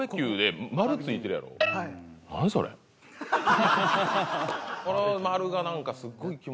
この丸がなんかすっごい気持ち悪いなあ。